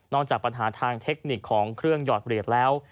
จากปัญหาทางเทคนิคของเครื่องหยอดเหรียญแล้ว